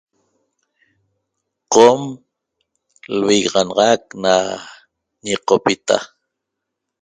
Qom lvigaxanaxac na ñiqopita